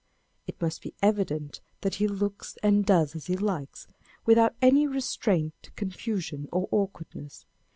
It must be evident that he looks and does as he likes, without any restraint, confusion, or awkwardness.